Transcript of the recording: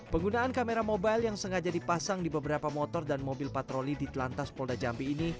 penggunaan kamera mobile yang sengaja dipasang di beberapa motor dan mobil patroli di telantas polda jambi ini